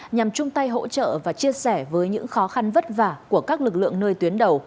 nhằm chung tay hỗ trợ và chia sẻ với những khó khăn vất vả của các lực lượng nơi tuyến đầu